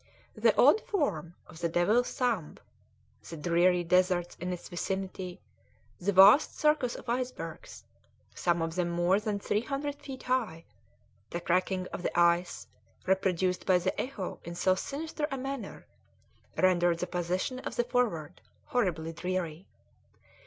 The odd form of the Devil's Thumb, the dreary deserts in its vicinity, the vast circus of icebergs some of them more than three hundred feet high the cracking of the ice, reproduced by the echo in so sinister a manner, rendered the position of the Forward horribly dreary.